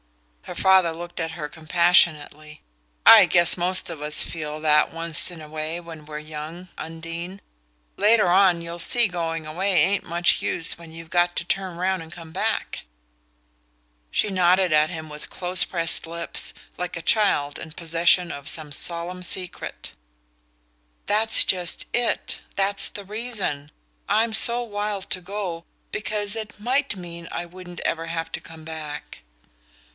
Her father looked at her compassionately. "I guess most of us feel that once in a way when we're youngy, Undine. Later on you'll see going away ain't much use when you've got to turn round and come back." She nodded at him with close pressed lips, like a child in possession of some solemn secret. "That's just it that's the reason I'm so wild to go; because it MIGHT mean I wouldn't ever have to come back."